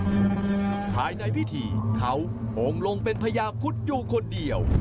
สุดท้ายในพิธีเขาองค์ลงเป็นพระยาครุฑอยู่คนเดียว